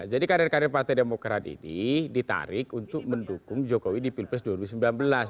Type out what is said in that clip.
jadi karir karir partai demokrat ini ditarik untuk mendukung jokowi di pilpres dua ribu sembilan belas